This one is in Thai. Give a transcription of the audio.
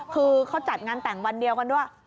คือเขาจัดงานแต่งวันเดียวกันด้วย